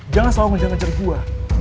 jangan selalu ngejar ngejar gua